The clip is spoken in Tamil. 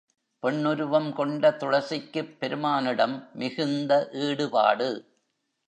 பெண்ணுருவம் கொண்ட துளசிக்குப் பெருமானிடம் மிகுந்த ஈடுபாடு.